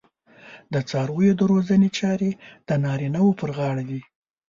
د څارویو د روزنې چارې د نارینه وو پر غاړه دي.